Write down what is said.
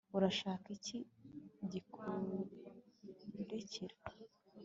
urashaka iki gikurikira